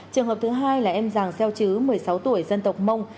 trường hợp thứ hai là em giàng xeo chứ một mươi sáu tuổi dân tộc mông